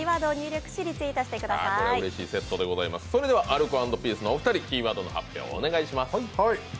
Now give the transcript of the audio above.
アルコ＆ピースのお二人、キーワードの発表をお願いします。